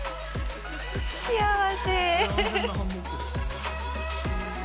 幸せ。